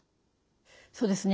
そうですね。